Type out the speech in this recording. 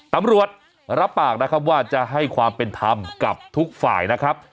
ตำรวจรับปากนะครับว่าจะให้ความเป็นธรรมกับทุกฝ่ายนะครับ